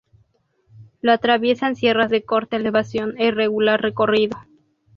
Lo atraviesan sierras de corta elevación e irregular recorrido.